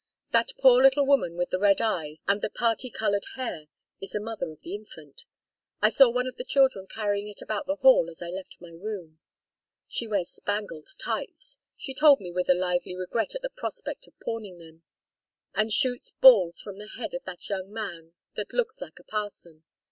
That poor little woman with the red eyes and the parti colored hair is the mother of the infant. I saw one of the children carrying it about the hall as I left my room. She wears spangled tights she told me with a lively regret at the prospect of pawning them and shoots balls from the head of that young man that looks like a parson.